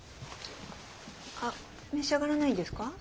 あっ召し上がらないんですか？